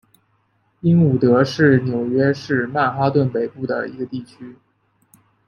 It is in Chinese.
英伍德是纽约市曼哈顿北部的一个地区。